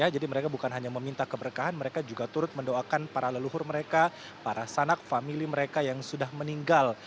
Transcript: jadi mereka bukan hanya meminta keberkahan mereka juga turut mendoakan para leluhur mereka para sanak famili mereka yang sudah meninggal